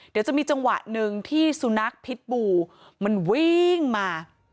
เดี๋ยวจะมีจังหวะหนึ่งที่สุนัขพิษบูมันวิ่งมา